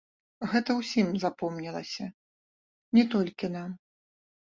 Гэта ўсім запомнілася, не толькі нам.